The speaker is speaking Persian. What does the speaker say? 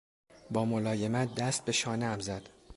با ملایمت دست به شانهام زد.